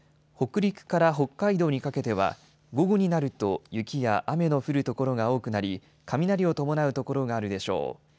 北陸から北海道にかけては、午後になると雪や雨の降る所が多くなり、雷を伴う所があるでしょう。